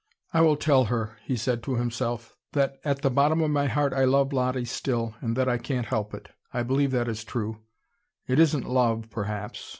"I will tell her," he said to himself, "that at the bottom of my heart I love Lottie still, and that I can't help it. I believe that is true. It isn't love, perhaps.